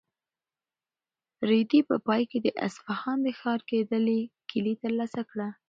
رېدي په پای کې د اصفهان د ښار کیلي ترلاسه کړه.